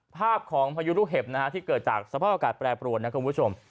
ภาพของพายุลูกเห็บที่เกิดจากสภาพอากาศแปรปรวนนะคุณผู้ชม